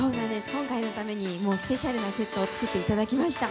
今回のためにスペシャルなセットを作っていただきました。